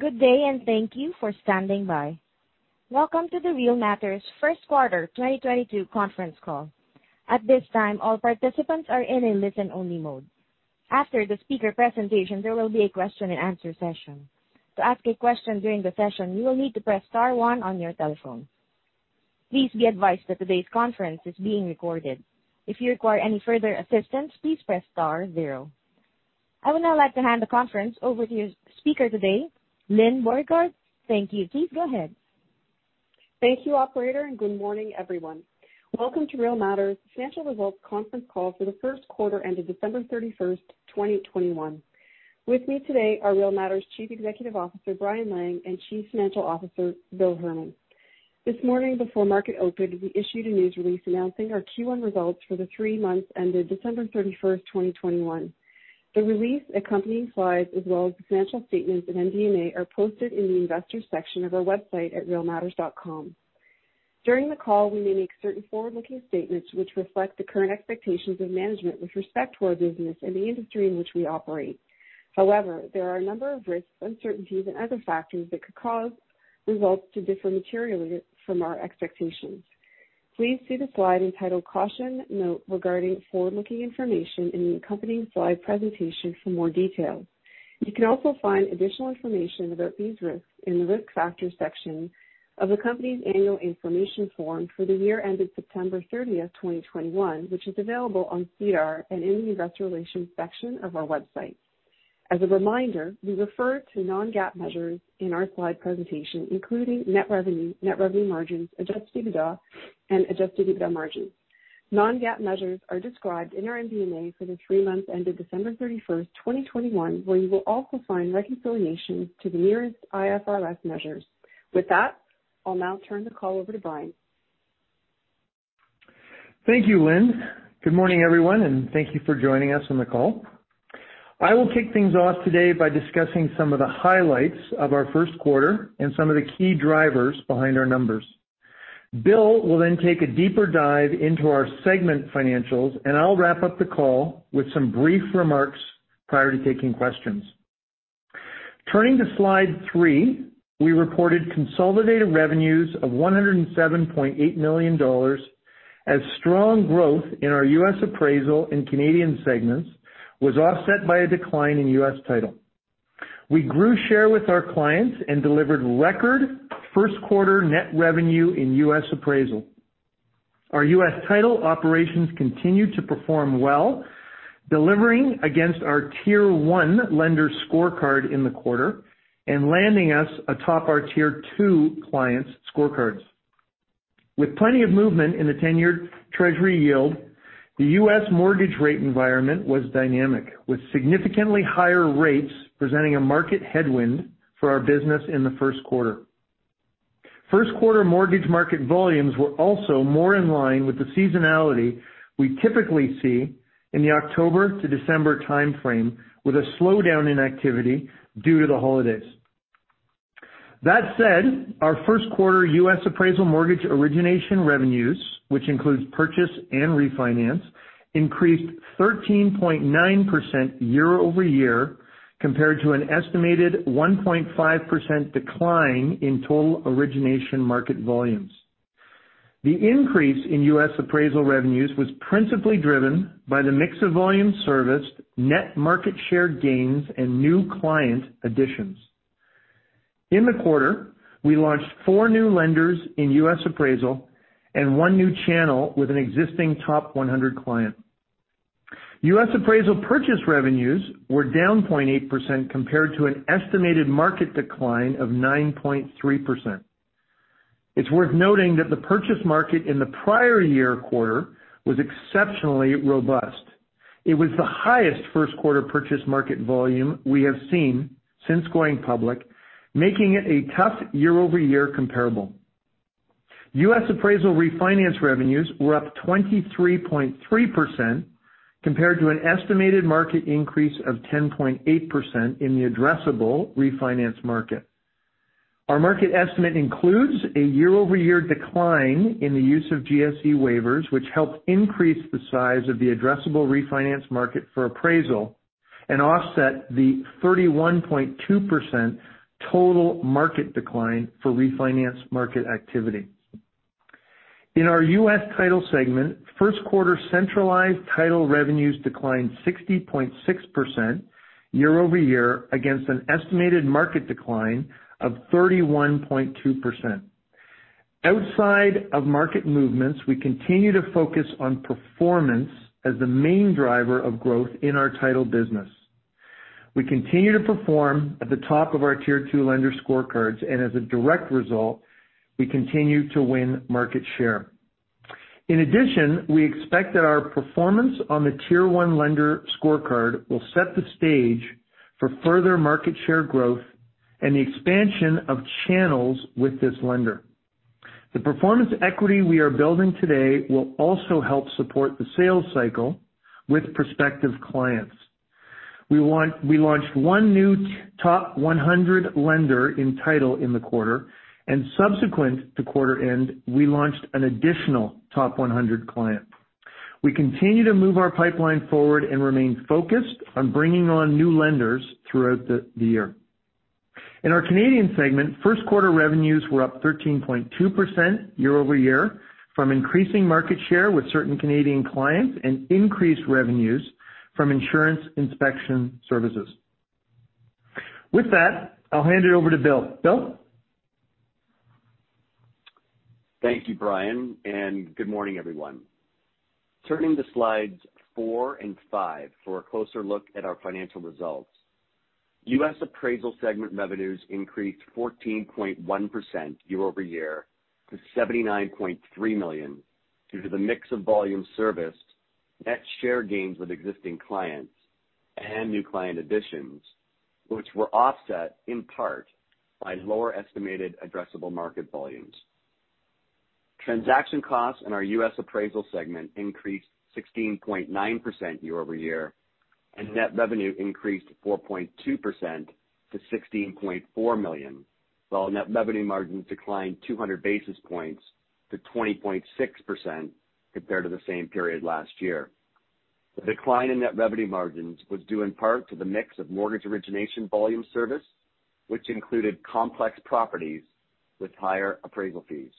Good day, and thank you for standing by. Welcome to the Real Matters first quarter 2022 conference call. At this time, all participants are in a listen-only mode. After the speaker presentation, there will be a question-and-answer session. To ask a question during the session, you will need to press star one on your telephone. Please be advised that today's conference is being recorded. If you require any further assistance, please press star zero. I would now like to hand the conference over to your speaker today, Lyne Beauregard. Thank you. Please go ahead. Thank you, operator, and good morning, everyone. Welcome to Real Matters financial results conference call for the first quarter ended December 31st, 2021. With me today are Real Matters Chief Executive Officer, Brian Lang, and Chief Financial Officer, Bill Herman. This morning before market opened, we issued a news release announcing our Q1 results for the three months ended December 31st, 2021. The release accompanying slides as well as the financial statements of MD&A are posted in the investors section of our website at realmatters.com. During the call, we may make certain forward-looking statements which reflect the current expectations of management with respect to our business and the industry in which we operate. However, there are a number of risks, uncertainties and other factors that could cause results to differ materially from our expectations. Please see the slide entitled Caution Note regarding forward-looking information in the accompanying slide presentation for more details. You can also find additional information about these risks in the Risk Factors section of the company's annual information form for the year ended September 30th, 2021, which is available on SEDAR and in the investor relations section of our website. As a reminder, we refer to non-GAAP measures in our slide presentation, including net revenue, net revenue margins, adjusted EBITDA, and adjusted EBITDA margins. Non-GAAP measures are described in our MD&A for the three months ended December 31st, 2021, where you will also find reconciliation to the nearest IFRS measures. With that, I'll now turn the call over to Brian. Thank you, Lyne. Good morning, everyone, and thank you for joining us on the call. I will kick things off today by discussing some of the highlights of our first quarter and some of the key drivers behind our numbers. Bill will then take a deeper dive into our segment financials, and I'll wrap up the call with some brief remarks prior to taking questions. Turning to slide three, we reported consolidated revenues of 107.8 million dollars as strong growth in our U.S. appraisal and Canadian segments was offset by a decline in U.S. title. We grew share with our clients and delivered record first quarter net revenue in U.S. appraisal. Our U.S. title operations continue to perform well, delivering against our Tier 1 lender scorecard in the quarter and landing us atop our Tier 2 clients' scorecards. With plenty of movement in the 10-year Treasury yield, the U.S. mortgage rate environment was dynamic, with significantly higher rates presenting a market headwind for our business in the first quarter. First quarter mortgage market volumes were also more in line with the seasonality we typically see in the October to December timeframe, with a slowdown in activity due to the holidays. That said, our first quarter U.S. appraisal mortgage origination revenues, which includes purchase and refinance, increased 13.9% year-over-year compared to an estimated 1.5% decline in total origination market volumes. The increase in U.S. appraisal revenues was principally driven by the mix of volume serviced, net market share gains and new client additions. In the quarter, we launched four new lenders in U.S. appraisal and one new channel with an existing top 100 client. U.S. appraisal purchase revenues were down 0.8% compared to an estimated market decline of 9.3%. It's worth noting that the purchase market in the prior year quarter was exceptionally robust. It was the highest first quarter purchase market volume we have seen since going public, making it a tough year-over-year comparable. U.S. appraisal refinance revenues were up 23.3% compared to an estimated market increase of 10.8% in the addressable refinance market. Our market estimate includes a year-over-year decline in the use of GSE waivers, which helped increase the size of the addressable refinance market for appraisal and offset the 31.2% total market decline for refinance market activity. In our U.S. title segment, first quarter centralized title revenues declined 60.6% year-over-year against an estimated market decline of 31.2%. Outside of market movements, we continue to focus on performance as the main driver of growth in our title business. We continue to perform at the top of our Tier 2 lender scorecards, and as a direct result, we continue to win market share. In addition, we expect that our performance on the Tier 1 lender scorecard will set the stage for further market share growth and the expansion of channels with this lender. The performance equity we are building today will also help support the sales cycle with prospective clients. We launched one new top 100 lender in title in the quarter, and subsequent to quarter end, we launched an additional top 100 client. We continue to move our pipeline forward and remain focused on bringing on new lenders throughout the year. In our Canadian segment, first quarter revenues were up 13.2% year-over-year from increasing market share with certain Canadian clients and increased revenues from insurance inspection services. With that, I'll hand it over to Bill. Bill? Thank you, Brian, and good morning, everyone. Turning to slides four and five for a closer look at our financial results. U.S. appraisal segment revenues increased 14.1% year-over-year to $79.3 million due to the mix of volume serviced, net share gains with existing clients, and new client additions, which were offset in part by lower estimated addressable market volumes. Transaction costs in our U.S. appraisal segment increased 16.9% year-over-year, and net revenue increased 4.2% to $16.4 million, while net revenue margins declined 200 basis points to 20.6% compared to the same period last year. The decline in net revenue margins was due in part to the mix of mortgage origination volume serviced, which included complex properties with higher appraisal fees.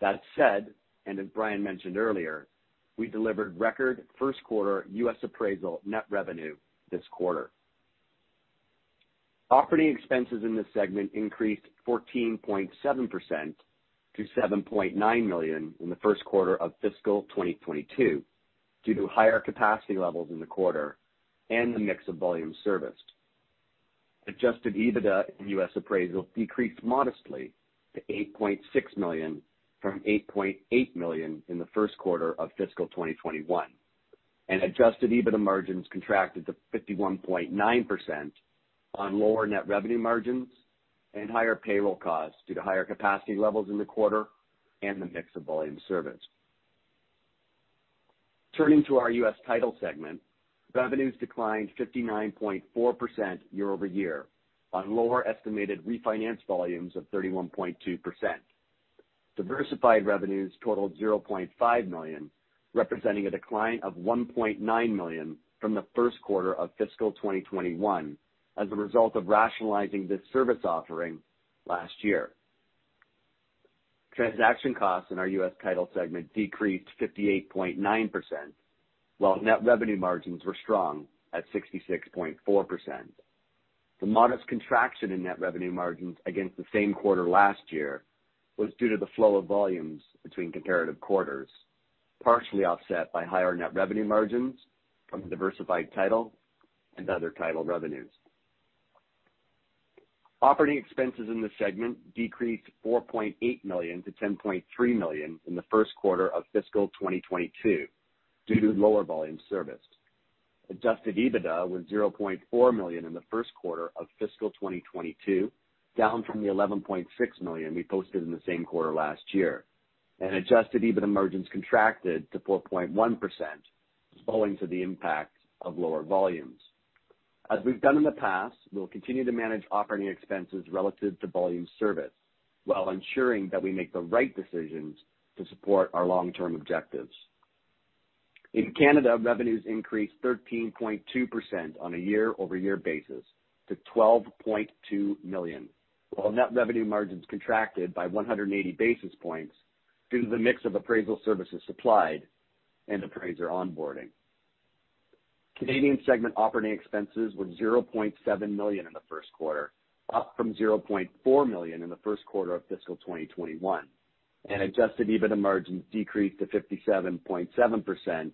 That said, as Brian mentioned earlier, we delivered record first quarter U.S. appraisal net revenue this quarter. Operating expenses in this segment increased 14.7% to $7.9 million in the first quarter of fiscal 2022 due to higher capacity levels in the quarter and the mix of volume serviced. Adjusted EBITDA in U.S. appraisal decreased modestly to $8.6 million from $8.8 million in the first quarter of fiscal 2021, and adjusted EBITDA margins contracted to 51.9% on lower net revenue margins and higher payroll costs due to higher capacity levels in the quarter and the mix of volume serviced. Turning to our U.S. title segment, revenues declined 59.4% year-over-year on lower estimated refinance volumes of 31.2%. Diversified revenues totaled 0.5 million, representing a decline of 1.9 million from the first quarter of fiscal 2021 as a result of rationalizing this service offering last year. Transaction costs in our U.S. title segment decreased 58.9%, while net revenue margins were strong at 66.4%. The modest contraction in net revenue margins against the same quarter last year was due to the flow of volumes between comparative quarters, partially offset by higher net revenue margins from diversified title and other title revenues. Operating expenses in this segment decreased $4.8 million-$10.3 million in the first quarter of fiscal 2022 due to lower volume serviced. Adjusted EBITDA was 0.4 million in the first quarter of fiscal 2022, down from the 11.6 million we posted in the same quarter last year, and adjusted EBITDA margins contracted to 4.1% owing to the impact of lower volumes. As we've done in the past, we'll continue to manage operating expenses relative to volume serviced while ensuring that we make the right decisions to support our long-term objectives. In Canada, revenues increased 13.2% on a year-over-year basis to 12.2 million, while net revenue margins contracted by 180 basis points due to the mix of appraisal services supplied and appraiser onboarding. Canadian segment operating expenses were 0.7 million in the first quarter, up from 0.4 million in the first quarter of fiscal 2021, and adjusted EBITDA margins decreased to 57.7%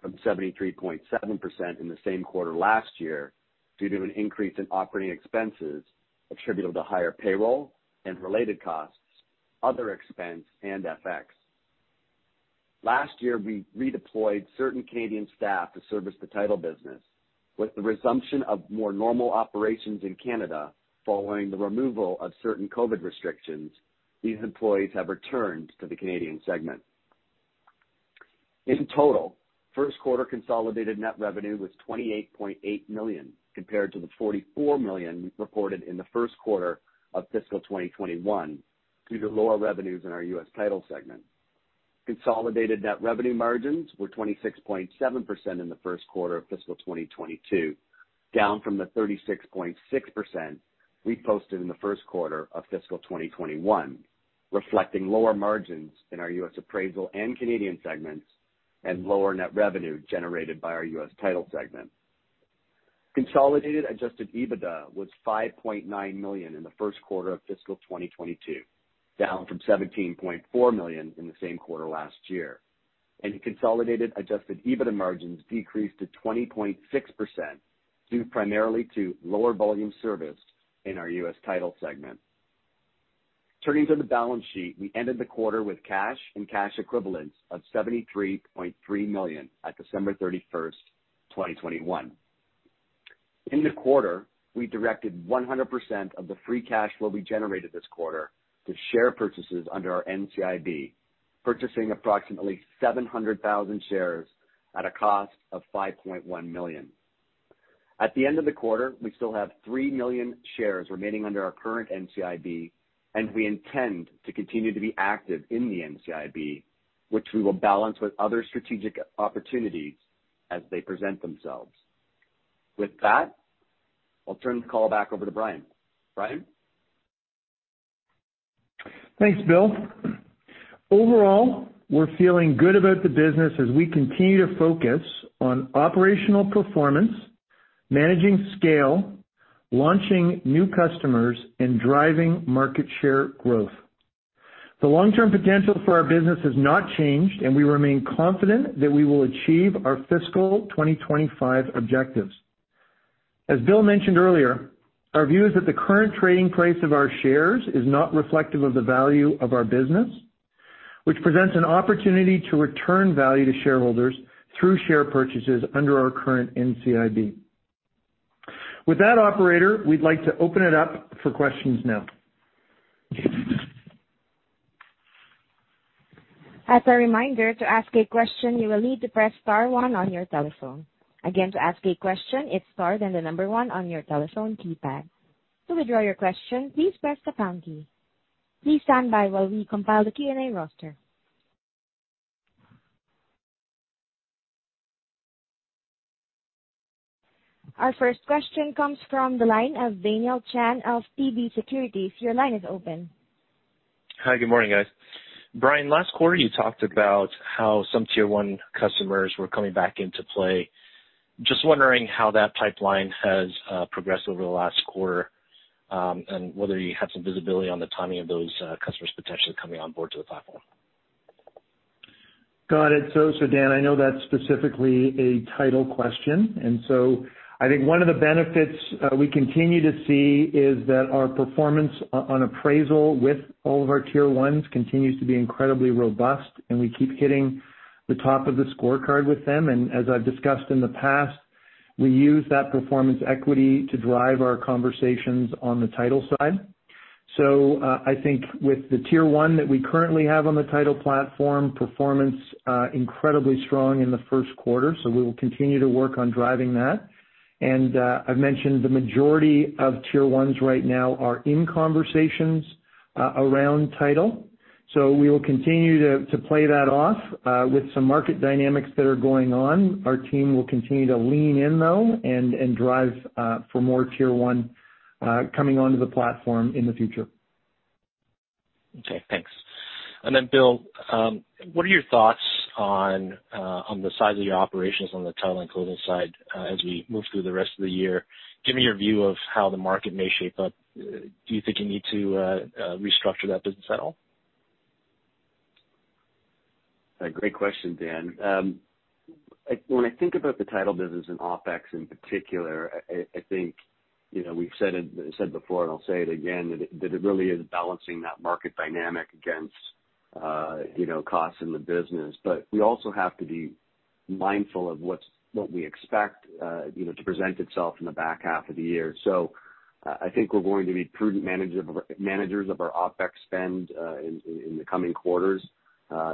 from 73.7% in the same quarter last year due to an increase in operating expenses attributable to higher payroll and related costs, other expense, and FX. Last year, we redeployed certain Canadian staff to service the title business. With the resumption of more normal operations in Canada following the removal of certain COVID restrictions, these employees have returned to the Canadian segment. In total, first quarter consolidated net revenue was CAD 28.8 million, compared to the CAD 44 million we reported in the first quarter of fiscal 2021 due to lower revenues in our U.S. title segment. Consolidated net revenue margins were 26.7% in the first quarter of fiscal 2022, down from the 36.6% we posted in the first quarter of fiscal 2021, reflecting lower margins in our U.S. appraisal and Canadian segments and lower net revenue generated by our U.S. title segment. Consolidated adjusted EBITDA was 5.9 million in the first quarter of fiscal 2022, down from 17.4 million in the same quarter last year. Consolidated adjusted EBITDA margins decreased to 20.6% due primarily to lower volume serviced in our U.S. title segment. Turning to the balance sheet, we ended the quarter with cash and cash equivalents of 73.3 million at December 31st, 2021. In the quarter, we directed 100% of the free cash flow we generated this quarter to share purchases under our NCIB, purchasing approximately 700,000 shares at a cost of 5.1 million. At the end of the quarter, we still have three million shares remaining under our current NCIB, and we intend to continue to be active in the NCIB, which we will balance with other strategic opportunities as they present themselves. With that, I'll turn the call back over to Brian. Brian? Thanks, Bill. Overall, we're feeling good about the business as we continue to focus on operational performance, managing scale, launching new customers and driving market share growth. The long-term potential for our business has not changed, and we remain confident that we will achieve our fiscal 2025 objectives. As Bill mentioned earlier, our view is that the current trading price of our shares is not reflective of the value of our business, which presents an opportunity to return value to shareholders through share purchases under our current NCIB. With that, operator, we'd like to open it up for questions now. As a reminder, to ask a question, you will need to press star one on your telephone. Again, to ask a question, it's star, then the number one on your telephone keypad. To withdraw your question, please press the pound key. Please stand by while we compile the Q&A roster. Our first question comes from the line of Daniel Chan of TD Securities. Your line is open. Hi, good morning, guys. Brian, last quarter you talked about how some Tier 1 customers were coming back into play. Just wondering how that pipeline has progressed over the last quarter, and whether you have some visibility on the timing of those customers potentially coming on board to the platform? Got it. Daniel, I know that's specifically a title question, and I think one of the benefits we continue to see is that our performance on appraisal with all of our Tier 1 continues to be incredibly robust, and we keep hitting the top of the scorecard with them. As I've discussed in the past, we use that performance equity to drive our conversations on the title side. I think with the Tier 1 that we currently have on the title platform, performance incredibly strong in the first quarter. We will continue to work on driving that. I've mentioned the majority of Tier 1 right now are in conversations around title. We will continue to play that off with some market dynamics that are going on. Our team will continue to lean in, though, and drive for more Tier 1 coming onto the platform in the future. Okay, thanks. Bill, what are your thoughts on the size of your operations on the title and closing side, as we move through the rest of the year? Give me your view of how the market may shape up. Do you think you need to restructure that business at all? A great question, Dan. When I think about the title business and OpEx in particular, I think, you know, we've said it before and I'll say it again, that it really is balancing that market dynamic against, you know, costs in the business. We also have to be mindful of what we expect, you know, to present itself in the back half of the year. I think we're going to be prudent managers of our OpEx spend, in the coming quarters,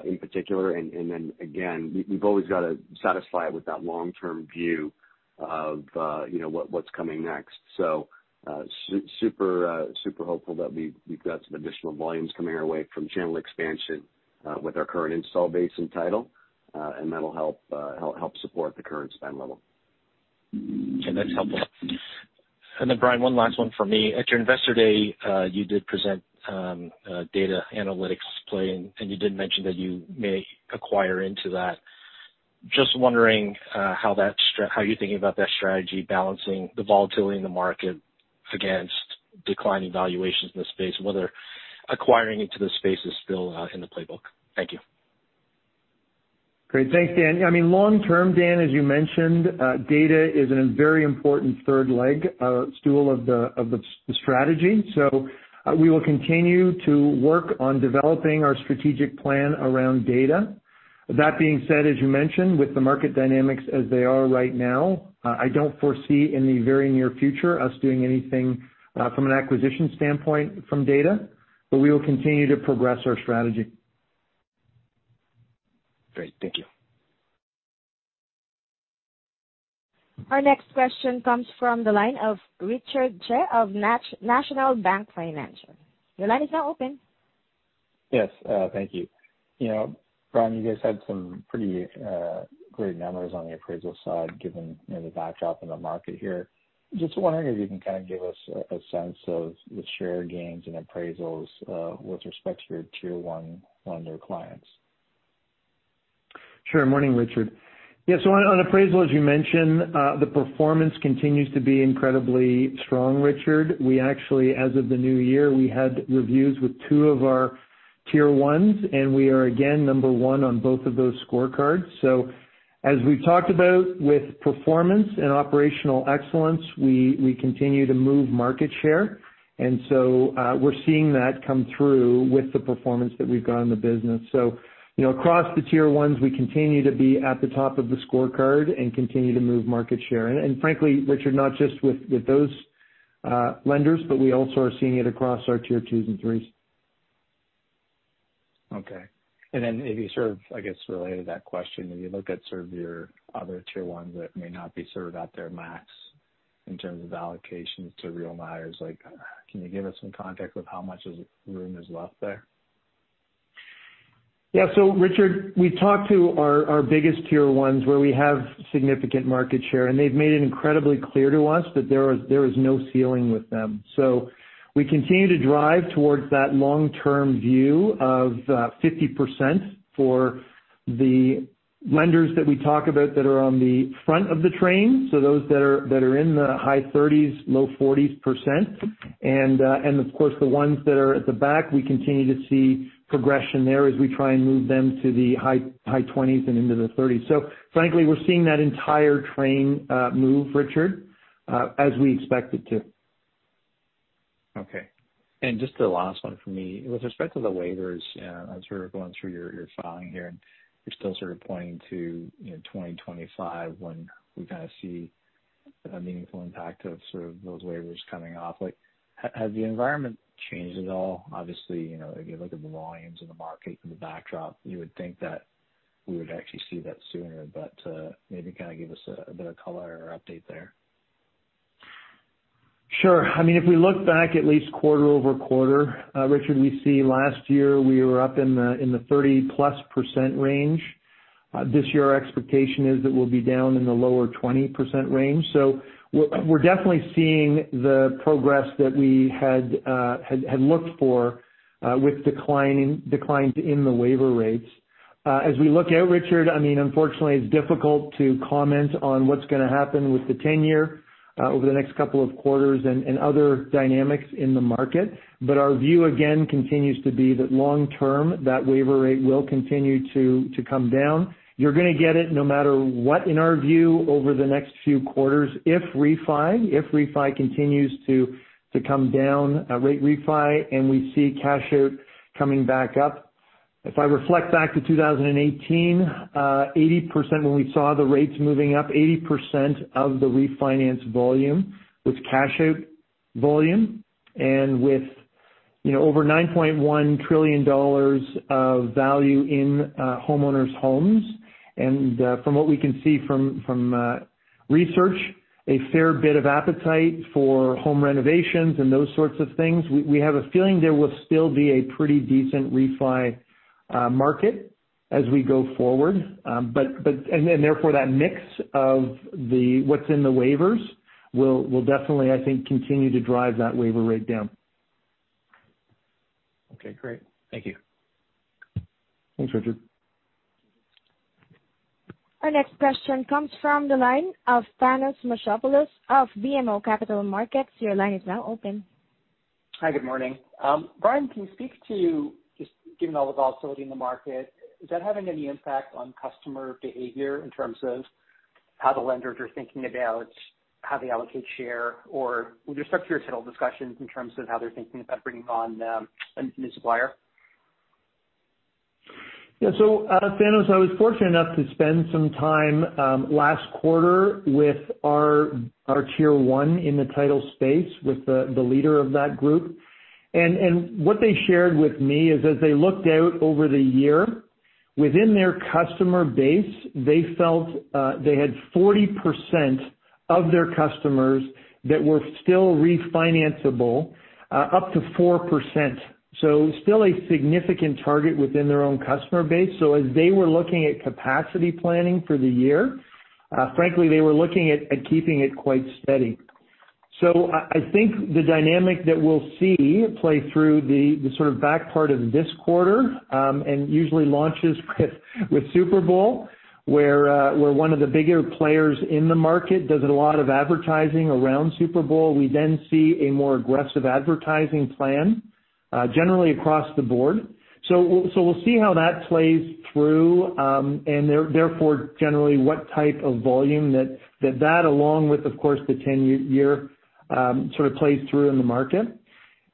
in particular. Then again, we've always got to satisfy with that long-term view of, you know, what's coming next. Super hopeful that we've got some additional volumes coming our way from channel expansion with our current installed base and title, and that'll help support the current spend level. Okay, that's helpful. Brian, one last one for me. At your Investor Day, you did present a data analytics play, and you did mention that you may acquire into that. Just wondering how you're thinking about that strategy, balancing the volatility in the market against declining valuations in the space, and whether acquiring into the space is still in the playbook. Thank you. Great. Thanks, Dan. I mean, long term, Dan, as you mentioned, data is a very important third leg of the stool of the strategy. We will continue to work on developing our strategic plan around data. That being said, as you mentioned, with the market dynamics as they are right now, I don't foresee in the very near future us doing anything from an acquisition standpoint from data, but we will continue to progress our strategy. Great. Thank you. Our next question comes from the line of Richard Tse of National Bank Financial. Your line is now open. Yes, thank you. You know, Brian, you guys had some pretty great numbers on the appraisal side, given, you know, the backdrop in the market here. Just wondering if you can kind of give us a sense of the share gains and appraisals, with respect to your Tier 1 lender clients. Sure. Morning, Richard. Yeah, so on appraisal, as you mentioned, the performance continues to be incredibly strong, Richard. We actually, as of the new year, we had reviews with two of our Tier 1s, and we are again number one on both of those scorecards. As we've talked about with performance and operational excellence, we continue to move market share. We're seeing that come through with the performance that we've got in the business. You know, across the Tier 1, we continue to be at the top of the scorecard and continue to move market share. Frankly, Richard, not just with those lenders, but we also are seeing it across our Tier 2 and Tier 3. Okay. If you sort of, I guess, relate to that question, if you look at sort of your other Tier 1 that may not be sort of at their max in terms of allocations to Real Matters, like can you give us some context of how much room is left there? Yeah. Richard, we talked to our biggest Tier 1 where we have significant market share, and they've made it incredibly clear to us that there is no ceiling with them. We continue to drive towards that long-term view of 50% for the lenders that we talk about that are on the front of the train, so those that are in the high 30s, low 40s. Of course, the ones that are at the back, we continue to see progression there as we try and move them to the high 20s and into the 30s. Frankly, we're seeing that entire train move, Richard, as we expect it to. Okay. Just the last one for me. With respect to the waivers, as we were going through your filing here, and you're still sort of pointing to, you know, 2025 when we kinda see a meaningful impact of sort of those waivers coming off. Like, has the environment changed at all? Obviously, you know, if you look at the volumes in the market and the backdrop, you would think that we would actually see that sooner. Maybe kinda give us a bit of color or update there. Sure. I mean, if we look back at least quarter-over-quarter, Richard, we see last year we were up in the 30%+ range. This year our expectation is that we'll be down in the lower 20% range. We're definitely seeing the progress that we had looked for with declines in the waiver rates. As we look out, Richard, I mean, unfortunately it's difficult to comment on what's gonna happen with the 10-year over the next couple of quarters and other dynamics in the market. Our view again continues to be that long-term, that waiver rate will continue to come down. You're gonna get it no matter what in our view over the next few quarters if refi continues to come down, rate refi and we see cash out coming back up. If I reflect back to 2018, 80% when we saw the rates moving up, 80% of the refinance volume was cash out volume. With, you know, over $9.1 trillion of value in homeowners' homes, and from what we can see from research, a fair bit of appetite for home renovations and those sorts of things, we have a feeling there will still be a pretty decent refi market as we go forward. Therefore that mix of what's in the waivers will definitely, I think, continue to drive that waiver rate down. Okay, great. Thank you. Thanks, Richard. Our next question comes from the line of Thanos Moschopoulos of BMO Capital Markets. Your line is now open. Hi, good morning. Brian, can you speak to just given all the volatility in the market, is that having any impact on customer behavior in terms of how the lenders are thinking about how they allocate share? With respect to your title discussions in terms of how they're thinking about bringing on, a new supplier? Yeah. Thanos, I was fortunate enough to spend some time last quarter with our Tier 1 in the title space with the leader of that group. What they shared with me is as they looked out over the year within their customer base, they felt they had 40% of their customers that were still refinanceable up to 4%. Still a significant target within their own customer base. As they were looking at capacity planning for the year, frankly, they were looking at keeping it quite steady. I think the dynamic that we'll see play through the sort of back part of this quarter and usually launches with Super Bowl where one of the bigger players in the market does a lot of advertising around Super Bowl. We then see a more aggressive advertising plan, generally across the board. We'll see how that plays through, and therefore generally what type of volume that, along with of course the 10-year, sort of plays through in the market.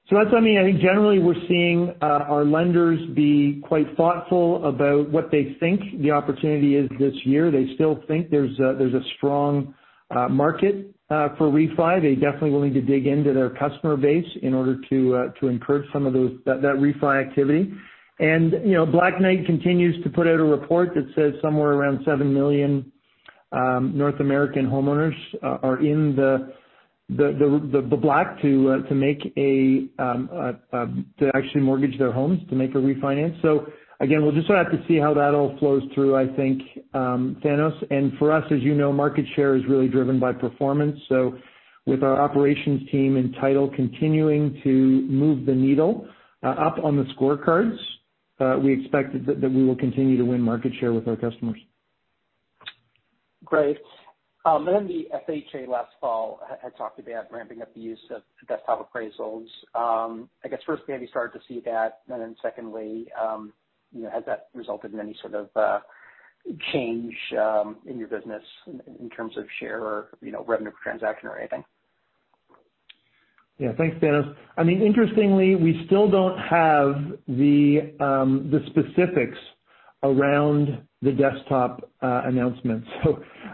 That's, I mean, I think generally we're seeing our lenders be quite thoughtful about what they think the opportunity is this year. They still think there's a strong market for refi. They're definitely willing to dig into their customer base in order to encourage some of that refi activity. You know, Black Knight continues to put out a report that says somewhere around seven million North American homeowners are in the black to actually mortgage their homes to make a refinance. We'll just have to see how that all flows through, I think, Thanos. For us, as you know, market share is really driven by performance. With our operations team and title continuing to move the needle up on the scorecards, we expect that we will continue to win market share with our customers. Great. The FHA last fall had talked about ramping up the use of desktop appraisals. I guess first, have you started to see that? Secondly, you know, has that resulted in any sort of change in your business in terms of share or, you know, revenue per transaction or anything? Yeah. Thanks, Thanos. I mean, interestingly, we still don't have the specifics around the desktop announcement.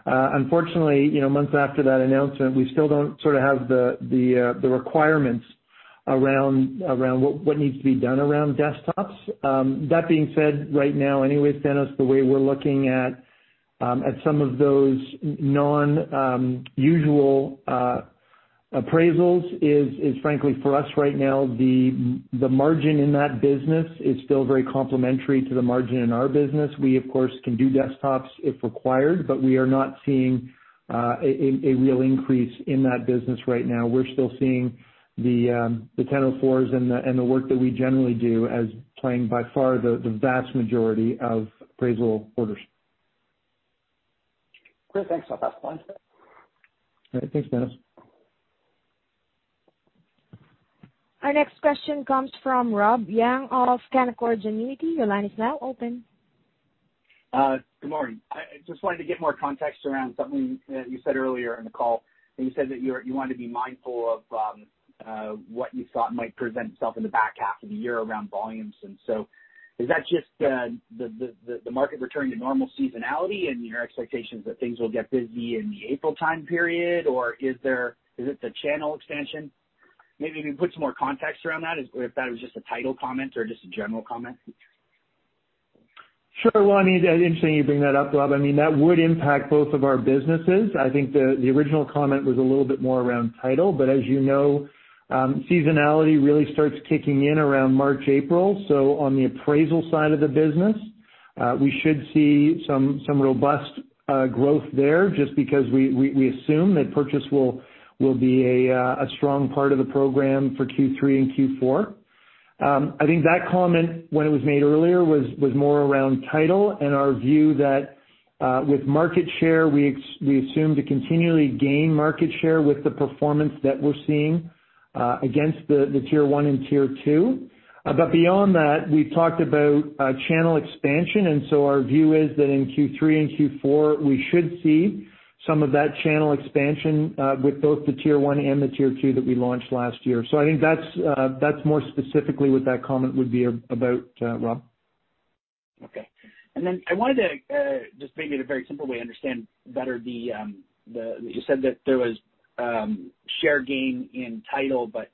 Unfortunately, you know, months after that announcement, we still don't have the requirements around what needs to be done around desktops. That being said, right now anyways, Dennis, the way we're looking at some of those non usual appraisals is frankly for us right now, the margin in that business is still very complementary to the margin in our business. We of course can do desktops if required, but we are not seeing a real increase in that business right now. We're still seeing the 1004 and the work that we generally do as playing by far the vast majority of appraisal orders. Great. Thanks. I've got one. All right. Thanks, Thanos. Our next question comes from Rob Young of Canaccord Genuity. Your line is now open. Good morning. I just wanted to get more context around something that you said earlier in the call, and you said that you wanted to be mindful of what you thought might present itself in the back half of the year around volumes. Is that just the market returning to normal seasonality and your expectations that things will get busy in the April time period? Or is it the channel expansion? Maybe if you put some more context around that if that was just a title comment or just a general comment. Sure. Well, I mean, interesting you bring that up, Rob. I mean, that would impact both of our businesses. I think the original comment was a little bit more around title, but as you know, seasonality really starts kicking in around March, April. So on the appraisal side of the business, we should see some robust growth there just because we assume that purchase will be a strong part of the program for Q3 and Q4. I think that comment when it was made earlier was more around title and our view that with market share, we assume to continually gain market share with the performance that we're seeing against the Tier 1 and Tier 2. Beyond that, we talked about channel expansion, and so our view is that in Q3 and Q4, we should see some of that channel expansion with both the Tier 1 and the Tier 2 that we launched last year. I think that's more specifically what that comment would be about, Rob. Okay. Then I wanted to just maybe in a very simple way understand better the you said that there was share gain in title, but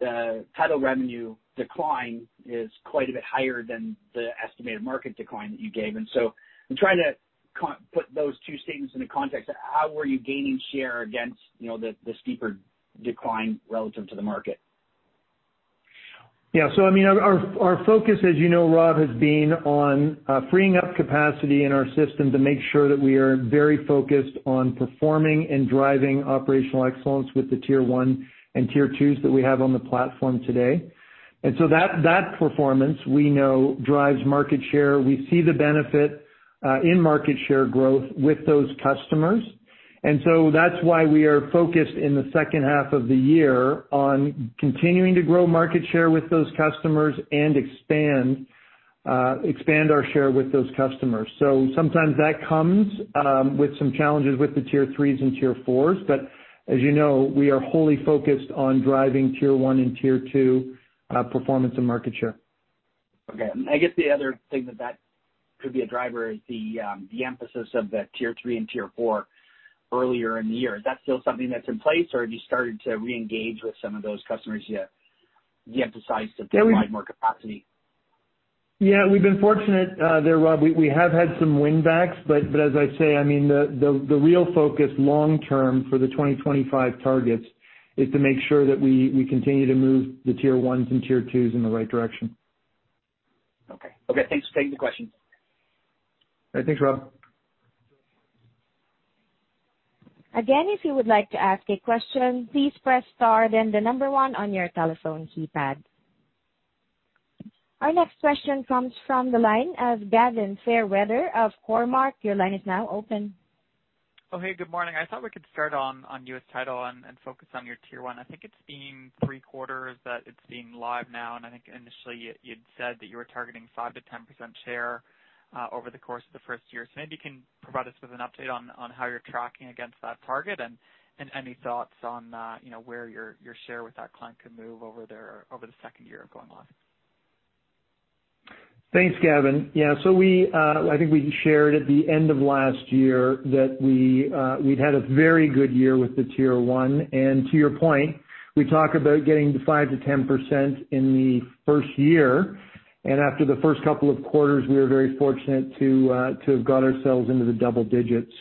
the title revenue decline is quite a bit higher than the estimated market decline that you gave. I'm trying to put those two statements into context. How are you gaining share against, you know, the steeper decline relative to the market? I mean, our focus as you know, Rob, has been on freeing up capacity in our system to make sure that we are very focused on performing and driving operational excellence with the Tier 1 and Tier 2 that we have on the platform today. That performance we know drives market share. We see the benefit in market share growth with those customers. That's why we are focused in the second half of the year on continuing to grow market share with those customers and expand our share with those customers. Sometimes that comes with some challenges with the Tier 3 and Tier 4, but as you know, we are wholly focused on driving Tier 1 and Tier 2 performance and market share. Okay. I guess the other thing that could be a driver is the emphasis of the tier three and tier four earlier in the year. Is that still something that's in place, or have you started to reengage with some of those customers yet? Do you emphasize to provide more capacity? Yeah, we've been fortunate there, Rob. We have had some win backs, but as I say, I mean, the real focus long term for the 2025 targets is to make sure that we continue to move the Tier 1 and Tier 2 in the right direction. Okay. Okay, thanks for taking the question. Thanks, Rob. Our next question comes from the line of Gavin Fairweather of Cormark. Your line is now open. Oh, hey, good morning. I thought we could start on U.S. title and focus on your Tier 1. I think it's been three quarters that it's been live now, and I think initially you'd said that you were targeting 5%-10% share over the course of the first year. Maybe you can provide us with an update on how you're tracking against that target and any thoughts on, you know, where your share with that client could move over the second year of going live. Thanks, Gavin. Yeah. We, I think we shared at the end of last year that we'd had a very good year with the Tier 1. To your point, we talk about getting to 5%-10% in the first year. After the first couple of quarters, we were very fortunate to have got ourselves into the double digits.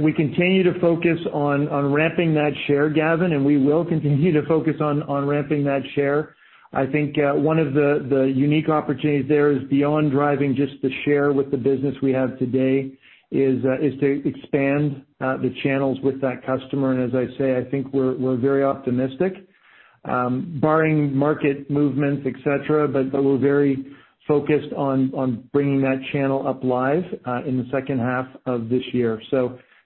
We continue to focus on ramping that share, Gavin, and we will continue to focus on ramping that share. I think, one of the unique opportunities there is beyond driving just the share with the business we have today is to expand the channels with that customer. As I say, I think we're very optimistic, barring market movements, et cetera. We're very focused on bringing that channel up live in the second half of this year.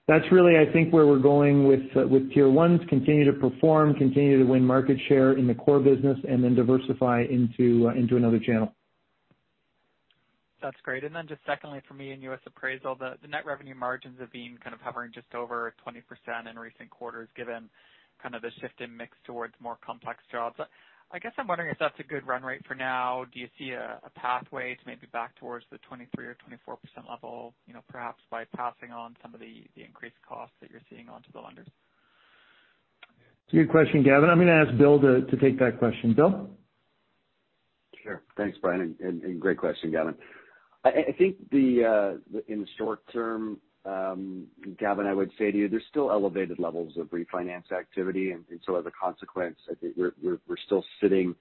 That's really, I think, where we're going with Tier 1s, continue to perform, continue to win market share in the core business, and then diversify into another channel. That's great. Just secondly for me, in U.S. appraisal, the net revenue margins have been kind of hovering just over 20% in recent quarters, given kind of the shift in mix towards more complex jobs. I guess I'm wondering if that's a good run rate for now. Do you see a pathway to maybe back towards the 23% or 24% level, you know, perhaps by passing on some of the increased costs that you're seeing onto the lenders? It's a good question, Gavin. I'm gonna ask Bill to take that question. Bill? Sure. Thanks, Brian, and great question, Gavin. I think in the short term, Gavin, I would say to you there's still elevated levels of refinance activity. So as a consequence, I think we're still sitting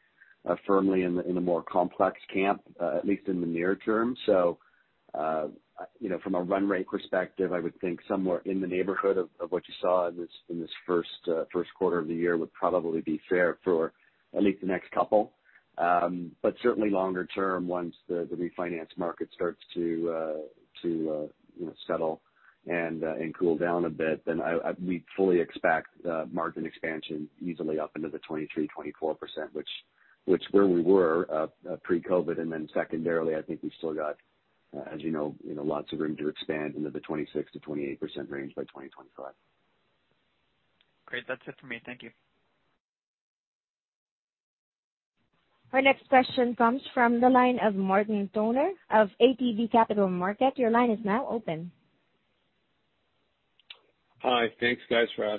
firmly in the more complex camp at least in the near term. You know, from a run rate perspective, I would think somewhere in the neighborhood of what you saw in this first quarter of the year would probably be fair for at least the next couple. But certainly longer term, once the refinance market starts to you know, settle and cool down a bit, then we fully expect margin expansion easily up into the 23%-24%. Which is where we were pre-COVID, and then secondarily, I think we've still got, as you know, you know, lots of room to expand into the 26%-28% range by 2025. Great. That's it for me. Thank you. Our next question comes from the line of Martin Toner of ATB Capital Markets. Your line is now open. Hi. Thanks, guys, for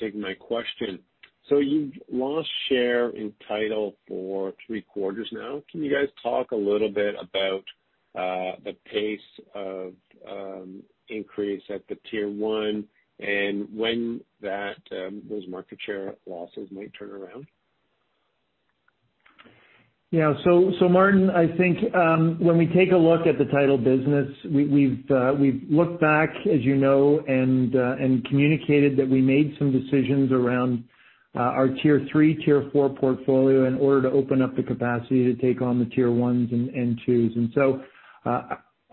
taking my question. You've lost share in title for three quarters now. Can you guys talk a little bit about the pace of increase at the Tier 1 and when those market share losses might turn around? Yeah. Martin, I think when we take a look at the title business, we've looked back as you know and communicated that we made some decisions around our tier three, tier four portfolio in order to open up the capacity to take on the Tier 1 and Tier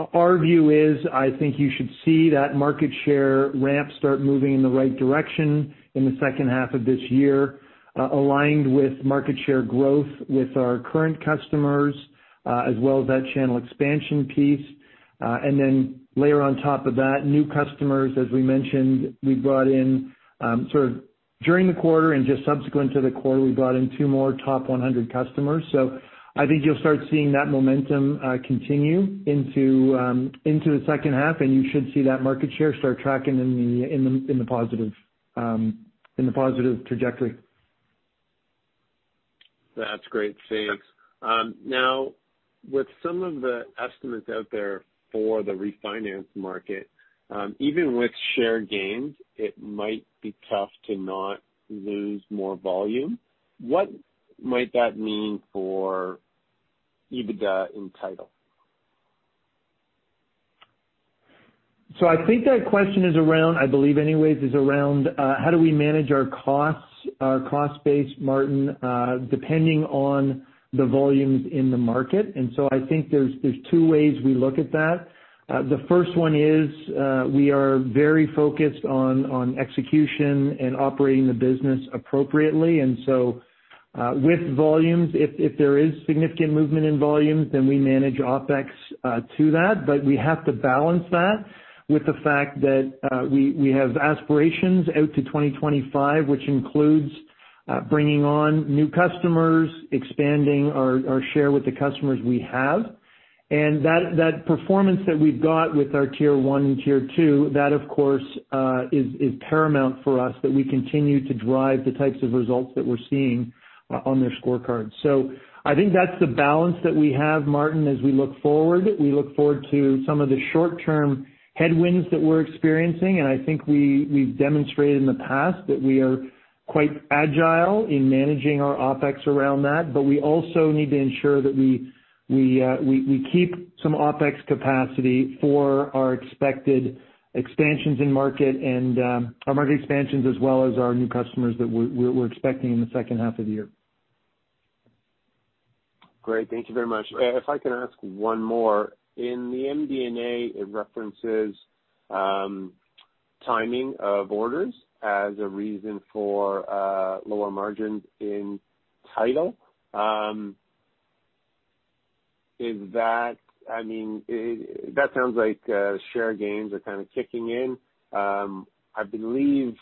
2. Our view is, I think you should see that market share ramp start moving in the right direction in the second half of this year, aligned with market share growth with our current customers, as well as that channel expansion piece. Layer on top of that, new customers, as we mentioned. We brought in sort of during the quarter and just subsequent to the quarter, we brought in two more top 100 customers. I think you'll start seeing that momentum continue into the second half, and you should see that market share start tracking in the positive trajectory. That's great. Thanks. Now with some of the estimates out there for the refinance market, even with share gains, it might be tough to not lose more volume. What might that mean for EBITDA in title? I think that question is around how we manage our costs, our cost base, Martin, depending on the volumes in the market. I think there's two ways we look at that. The first one is we are very focused on execution and operating the business appropriately. With volumes, if there is significant movement in volumes, then we manage OpEx to that. We have to balance that with the fact that we have aspirations out to 2025, which includes bringing on new customers, expanding our share with the customers we have. That performance that we've got with our Tier 1 and Tier 2, that of course is paramount for us, that we continue to drive the types of results that we're seeing on their scorecards. I think that's the balance that we have, Martin, as we look forward. We look forward to some of the short-term headwinds that we're experiencing. I think we've demonstrated in the past that we are quite agile in managing our OpEx around that. But we also need to ensure that we keep some OpEx capacity for our expected expansions in market and our market expansions as well as our new customers that we're expecting in the second half of the year. Great. Thank you very much. If I can ask one more. In the MD&A, it references timing of orders as a reason for lower margins in title. I mean, that sounds like share gains are kinda kicking in. I believe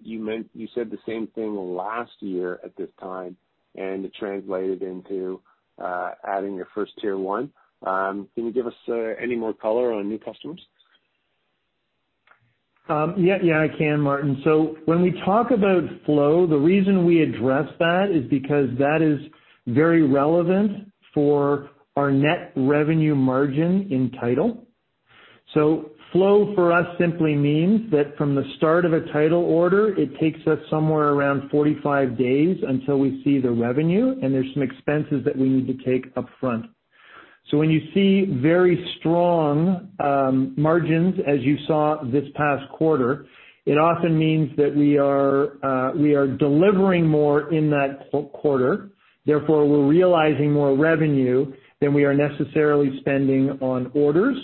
you said the same thing last year at this time, and it translated into adding your first Tier 1. Can you give us any more color on new customers? Yeah, I can, Martin. When we talk about flow, the reason we address that is because that is very relevant for our net revenue margin in title. Flow for us simply means that from the start of a title order, it takes us somewhere around 45 days until we see the revenue, and there's some expenses that we need to take upfront. When you see very strong margins, as you saw this past quarter, it often means that we are delivering more in that quarter. Therefore, we're realizing more revenue than we are necessarily spending on orders.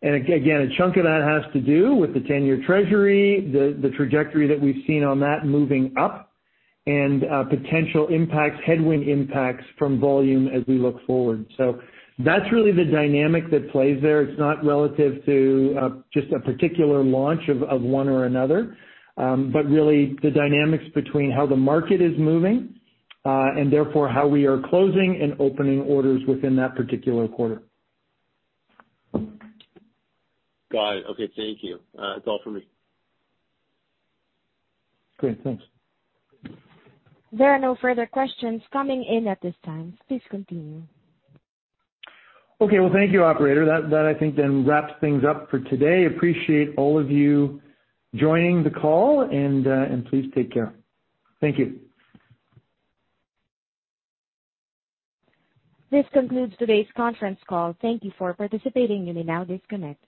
And again, a chunk of that has to do with the 10-year Treasury, the trajectory that we've seen on that moving up, and potential impacts, headwind impacts from volume as we look forward. That's really the dynamic that plays there. It's not relative to just a particular launch of one or another, but really the dynamics between how the market is moving, and therefore how we are closing and opening orders within that particular quarter. Got it. Okay. Thank you. That's all for me. Great. Thanks. There are no further questions coming in at this time. Please continue. Okay. Well, thank you, operator. That I think then wraps things up for today. Appreciate all of you joining the call and please take care. Thank you. This concludes today's conference call. Thank you for participating. You may now disconnect.